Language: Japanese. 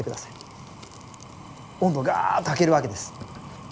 温度ガーッと上げるわけです。